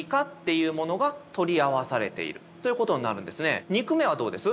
これは２句目はどうです？